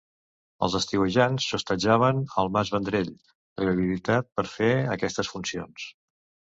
Els estiuejants s'hostatjaven al mas Vendrell, rehabilitat per fer aquestes funcions.